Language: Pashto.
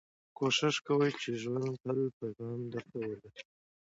کوښښ کوئ، چي ژوند تل پیغام در ته ولري.